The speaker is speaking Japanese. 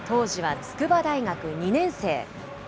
当時は筑波大学２年生。